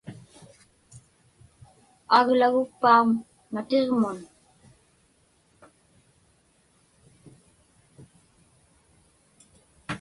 Aglagukpauŋ natiġmun?